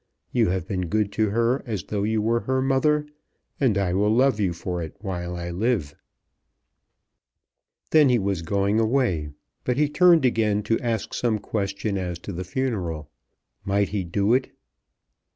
You have been good to her as though you were her mother, and I will love you for it while I live." Then he was going away; but he turned again to ask some question as to the funeral. Might he do it.